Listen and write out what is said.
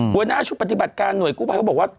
ครับบริษัทชุดปฏิบัติการหน่วยกุภัยเขาบอกว่า